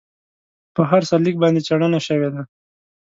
په هر سرلیک باندې څېړنه شوې ده.